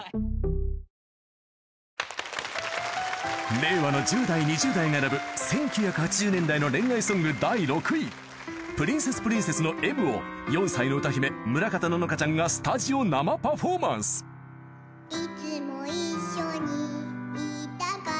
令和の１０代２０代が選ぶ１９８０年代の恋愛ソング第６位プリンセスプリンセスの『Ｍ』を４歳の歌姫村方乃々佳ちゃんがスタジオ生パフォーマンス伸ばした！